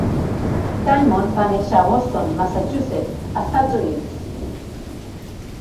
Diamond va néixer a Boston, Massachusetts, Estats Units.